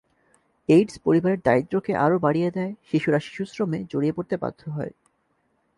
AIDS পরিবারের দারিদ্র্যকে আরও বাড়িয়ে দেয়, শিশুরা শিশুশ্রমে জড়িয়ে পড়তে বাধ্য হয়।